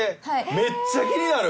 めっちゃ気になる！